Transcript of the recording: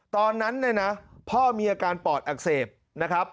ตอนนั้นเนี่ยนะพ่อมีอาการปอดอักเสบนะครับ